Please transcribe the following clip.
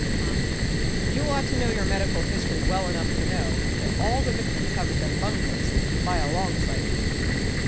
"Hum! You ought to know your medical history well enough to know that all the victims haven't been bunglers, by a long sight."